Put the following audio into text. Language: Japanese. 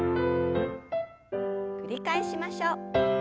繰り返しましょう。